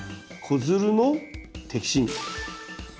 子づるの摘心。